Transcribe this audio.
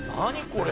これ。